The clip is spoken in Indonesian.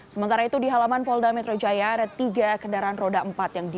sementara itu di halaman polda metro jaya ada tiga kendaraan roda empat